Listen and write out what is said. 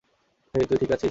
হেই, তুই ঠিক আছিস?